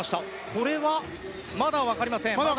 これはまだ分かりません。